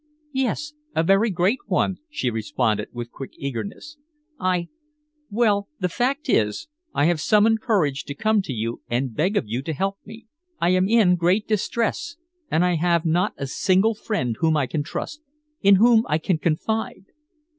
"Yes. A very great one," she responded with quick eagerness, "I well the fact is, I have summoned courage to come to you and beg of you to help me. I am in great distress and I have not a single friend whom I can trust in whom I can confide."